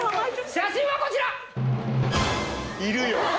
写真はこちら。